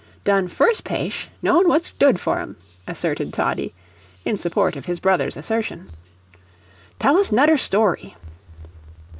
"Done first payshe, know what's dood for him," asserted Toddie, in support of his brother's assertion. "Tell us 'nudder story."